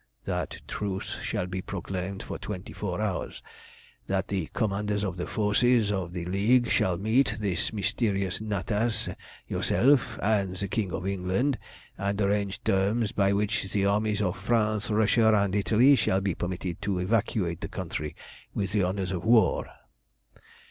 "That truce shall be proclaimed for twenty four hours; that the commanders of the forces of the League shall meet this mysterious Natas, yourself, and the King of England, and arrange terms by which the armies of France, Russia, and Italy shall be permitted to evacuate the country with the honours of war."